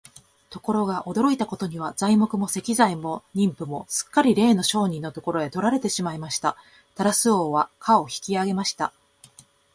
ところが、驚いたことには、材木も石材も人夫もすっかりれいの商人のところへ取られてしまいました。タラス王は価を引き上げました。